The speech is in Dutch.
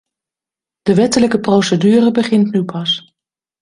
De wettelijke procedure begint nu pas.